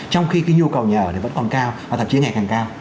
trong khi cái nhu cầu nhà ở thì vẫn còn cao và thật chứa ngày càng cao